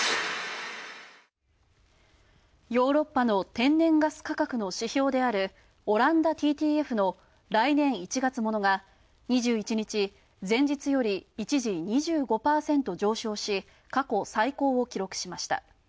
ヨーロッパの天然ガス価格の指標である、オランダＴＴＦの来年１月ものが、２１日、前日より一時、２５％、上昇し、過去最高を記録しました。